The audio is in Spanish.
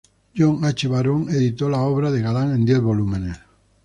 John H. Baron editó las obras de Galán en diez volúmenes.